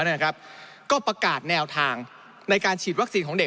นะครับก็ประกาศแนวทางในการฉีดวัคซีนของเด็ก